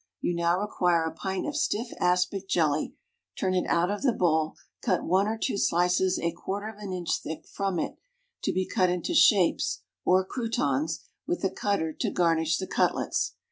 You now require a pint of stiff aspic jelly; turn it out of the bowl, cut one or two slices a quarter of an inch thick from it, to be cut into shapes (or croûtons) with a cutter to garnish the cutlets.